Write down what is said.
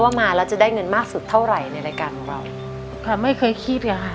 มาแล้วจะได้เงินมากสุดเท่าไหร่ในรายการของเราค่ะไม่เคยคิดเลยค่ะ